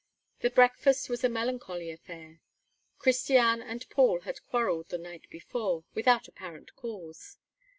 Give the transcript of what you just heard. The breakfast was a melancholy affair. Christiane and Paul had quarreled the night before, without apparent cause.